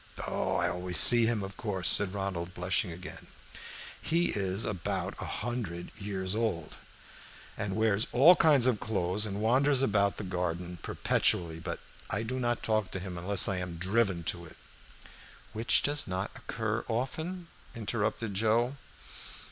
"Oh, I always see him, of course," said Ronald, blushing again. "He is about a hundred years old, and wears all kinds of clothes, and wanders about the garden perpetually. But I do not talk to him unless I am driven to it" "Which does not occur often," interrupted Joe.